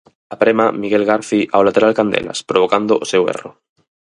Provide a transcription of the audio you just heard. Aprema Miguel Garci ao lateral Candelas, provocando o seu erro.